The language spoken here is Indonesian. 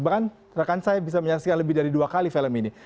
bahkan rekan saya bisa menyaksikan lebih dari dua kali film ini